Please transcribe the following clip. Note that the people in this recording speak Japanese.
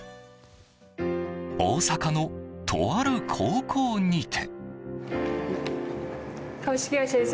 大阪のとある高校にて。